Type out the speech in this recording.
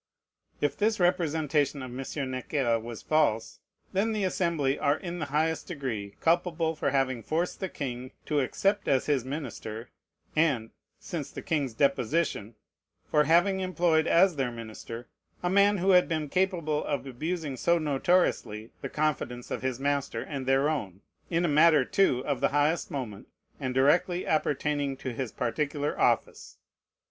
If this representation of M. Necker was false, then the Assembly are in the highest degree culpable for having forced the king to accept as his minister, and, since the king's deposition, for having employed as their minister, a man who had been capable of abusing so notoriously the confidence of his master and their own: in a matter, too, of the highest moment, and directly appertaining to his particular office.